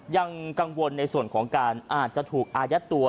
ยังกังวลในส่วนของการอาจจะถูกอายัดตัว